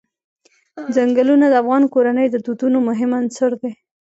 ځنګلونه د افغان کورنیو د دودونو مهم عنصر دی.